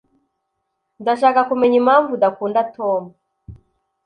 Ndashaka kumenya impamvu udakunda Tom.